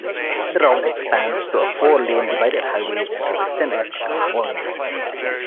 The route expands to a four-lane divided highway at the western edge of Olney.